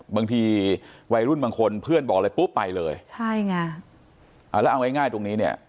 บางทีวัยรุ่นบางคนเพื่อนบอกอะไรปุ๊บไปเลยใช่ไงอ่าแล้วเอาง่ายง่ายตรงนี้เนี่ย